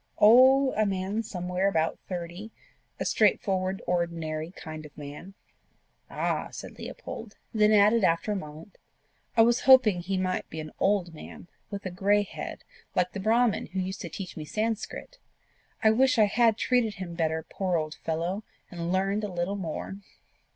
"Oh, a man somewhere about thirty a straightforward, ordinary kind of man." "Ah!" said Leopold then added after a moment "I was hoping he might be an old man, with a grey head, like the brahmin who used to teach me Sanscrit. I wish I had treated him better, poor old fellow! and learned a little more."